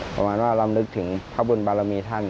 ประมาณว่าลำลึกถึงพระบุญบารมีท่าน